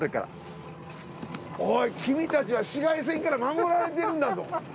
君たちは紫外線から守られてるんだぞ。